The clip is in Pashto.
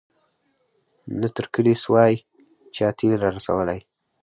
نه تر کلي سوای چا تېل را رسولای